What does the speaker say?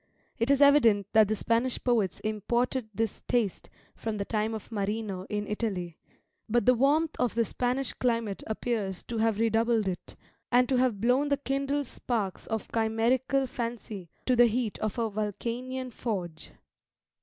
It is evident that the Spanish poets imported this taste from the time of Marino in Italy; but the warmth of the Spanish climate appears to have redoubled it, and to have blown the kindled sparks of chimerical fancy to the heat of a Vulcanian forge.